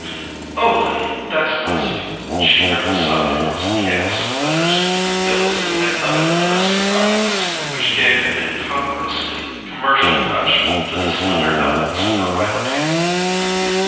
"Oh, Lily, that's nice of you," she merely sighed across the chaos of letters, bills and other domestic documents which gave an incongruously commercial touch to the slender elegance of her writing table.